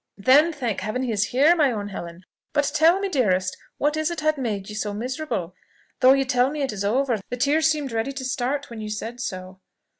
"Then, thank Heaven! he is here, my own Helen! But tell me, dearest, what is it has made you miserable? Though you tell me it is over, the tears seemed ready to start when you said so."